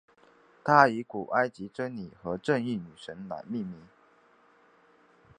它以古埃及真理和正义女神来命名。